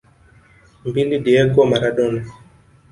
Mbili Diego Maradona